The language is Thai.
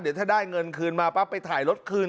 เดี๋ยวถ้าได้เงินคืนมาปั๊บไปถ่ายรถคืน